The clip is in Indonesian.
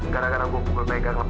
gara gara gua pukul pegang pistol